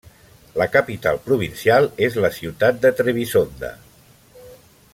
La capital provincial és ciutat de Trebisonda.